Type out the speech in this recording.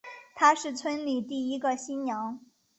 她是村里第一个新娘